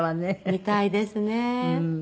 みたいですね。